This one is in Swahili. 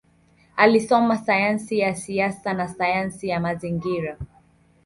Alisoma sayansi ya siasa na sayansi ya mazingira.